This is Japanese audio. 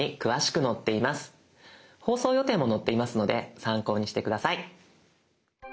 放送予定も載っていますので参考にして下さい。